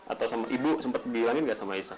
atau sama ibu sempet bilangin gak sama aisah